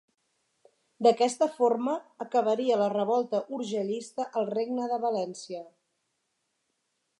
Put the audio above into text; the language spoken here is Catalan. D'aquesta forma, acabaria la revolta urgellista al Regne de València.